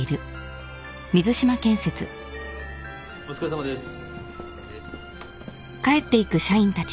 お疲れさまです。